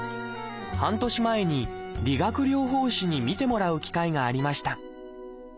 半年前に理学療法士に診てもらう機会がありました。